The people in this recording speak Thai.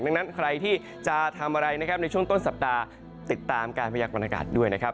ดังนั้นใครที่จะทำอะไรนะครับในช่วงต้นสัปดาห์ติดตามการพยากรณากาศด้วยนะครับ